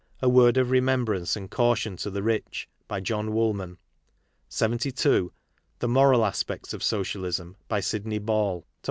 A Word ol Remembrance and Caiition to the Rich. By John Woolman. 72. The Moral Aspects of Socialism. By SidneV Ball. ad.